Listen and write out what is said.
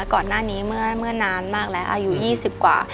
ก่อนหน้านี้เมื่อนานมากแล้วอายุ๒๐กว่า